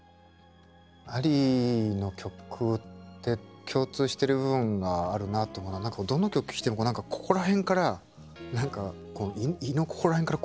アリーの曲って共通してる部分があるなと思うのは何かどの曲聴いても何かここら辺から何か胃のここら辺からこう何て言うんですかね。